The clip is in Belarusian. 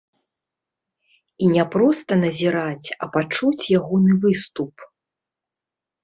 І не проста назіраць, а пачуць ягоны выступ.